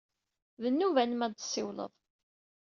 D nnuba-nnem ad d-tessiwled.